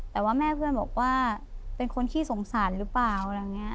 แต่ว่าแม่เพื่อนบอกว่าเป็นคนขี้สงสารหรือเปล่าอะไรอย่างนี้